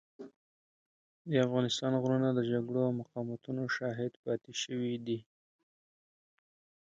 د افغانستان غرونه د جګړو او مقاومتونو شاهد پاتې شوي دي.